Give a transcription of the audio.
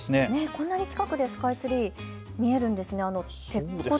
こんなに近くでスカイツリー見えるんですね。